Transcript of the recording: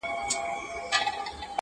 • د بدي خبري سل کاله عمر وي ,